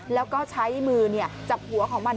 แล้วก็ใช้มือจับหัวของมัน